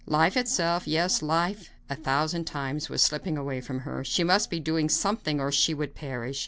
Life itself, yes, life a thousand times, was slipping away from her. She must be doing something or she would perish.